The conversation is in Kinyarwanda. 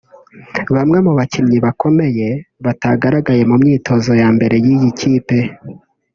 Bamwe mu bakinnyi bakomeye batagaragaye mu myitozo ya mbere y’iyi kipe